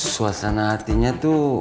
suasana hatinya tuh